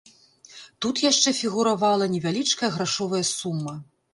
Тут яшчэ фігуравала невялічкая грашовая сума.